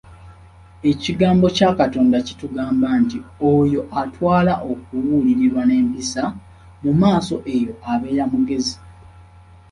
"Ekigambo kya Katonda kitugamba nti oyo atwala okubuulirirwa n'empisa, mu maaso eyo abeera mugezi."